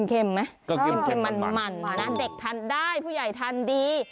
เค็มไหมมันนะเด็กทันได้ผู้ใหญ่ทันดี